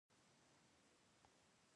زه څخنک کوم.